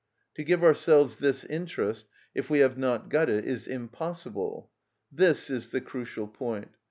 To give ourselves this interest, if we have not got it, is impossible. This is the crucial point.